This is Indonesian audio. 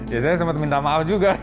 ya saya sempat minta maaf juga